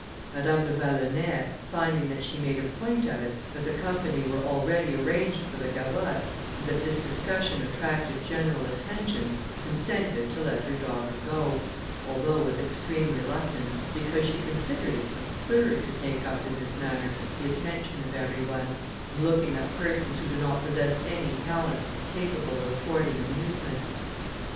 Madame de Vallonay, finding that she made a point of it, that the company were already arranged for the gavotte, and that this discussion attracted general attention, consented to let her daughter go, although with extreme reluctance, because she considered it absurd to take up in this manner the attention of every one, in looking at persons who do not possess any talent capable of affording amusement.